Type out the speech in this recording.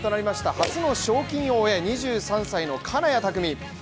初の賞金王へ２３歳の金谷拓実。